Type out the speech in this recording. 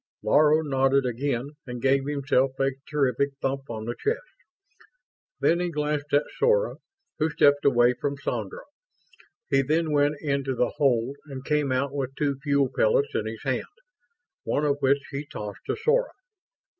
Laro nodded again and gave himself a terrific thump on the chest. Then he glanced at Sora, who stepped away from Sandra. He then went into the hold and came out with two fuel pellets in his hand, one of which he tossed to Sora.